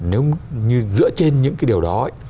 nếu như dựa trên những cái điều đó